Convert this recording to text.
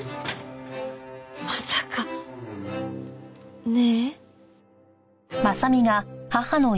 まさかね？